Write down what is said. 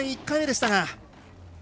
１回目でしたが。